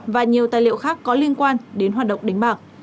và nhiều tài liệu khác có liên quan đến hoạt động đánh bạc